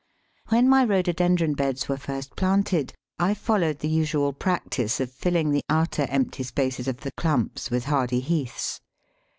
When my Rhododendron beds were first planted, I followed the usual practice of filling the outer empty spaces of the clumps with hardy Heaths.